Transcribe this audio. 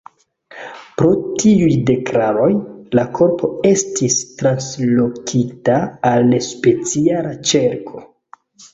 Pro tiuj deklaroj, la korpo estis translokita al speciala ĉerko.